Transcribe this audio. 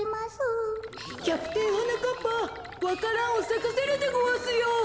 キャプテンはなかっぱわか蘭をさかせるでごわすよ。